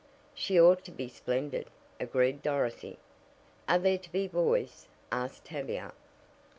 "She ought to be splendid," agreed Dorothy. "Are there to be boys?" asked Tavia.